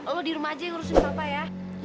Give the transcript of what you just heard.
lo di rumah aja yang urusin siapa ya